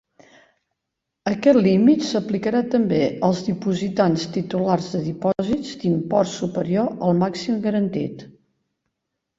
Aquest límit s'aplicarà també als dipositants titulars de dipòsits d'import superior al màxim garantit.